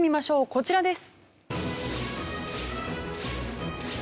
こちらです。